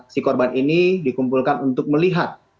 si korban ini dikumpulkan untuk melihat